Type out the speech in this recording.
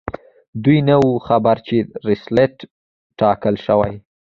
دوی نه وو خبر چې ورلسټ ټاکل شوی.